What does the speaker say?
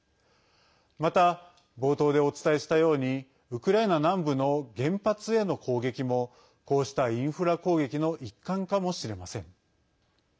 また、冒頭でお伝えしたようにウクライナ南部の原発への攻撃もこうしたインフラ攻撃の一環かもしれません。